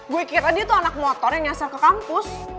gue kira dia tuh anak motor yang nyasar ke kampus